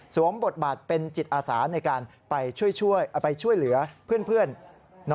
บทบาทเป็นจิตอาสาในการไปช่วยไปช่วยเหลือเพื่อน